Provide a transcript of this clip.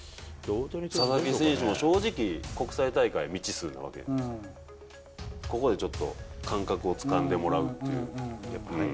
佐々木選手も正直、国際大会、未知数なわけで、ここでちょっと感覚をつかんでもらうっていう。